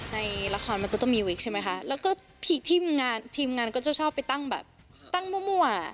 ในละครมันจะต้องมีวิกใช่ไหมคะแล้วก็ทีมงานทีมงานก็จะชอบไปตั้งแบบตั้งมั่ว